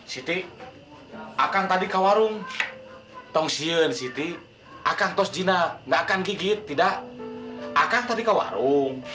siti akan tadi ke warung tongsien siti akan tos gina nggak akan gigit tidak akan tadi ke warung